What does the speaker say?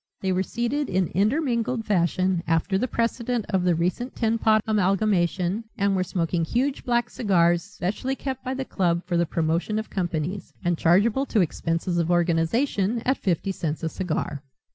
They were seated in intermingled fashion after the precedent of the recent Tin Pot Amalgamation and were smoking huge black cigars specially kept by the club for the promotion of companies and chargeable to expenses of organization at fifty cents a cigar.